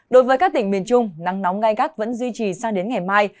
đối với các tỉnh miền trung nắng nóng gai gắt vẫn duy trì sang đến ngày mai